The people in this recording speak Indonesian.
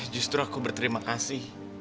justru aku berterima kasih